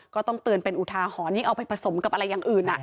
ก็ต้องเตือนเป็นอุทาหรณยิ่งเอาไปผสมกับอะไรอย่างอื่น